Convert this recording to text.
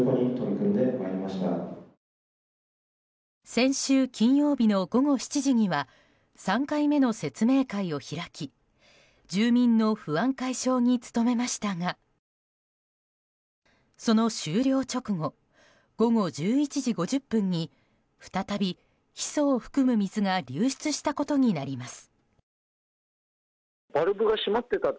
先週金曜日の午後７時には３回目の説明会を開き住民の不安解消に努めましたがその終了直後午後１１時５０分に再び、ヒ素を含む水が流出したことになります。